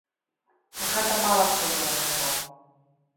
Гэта мала хто перажываў.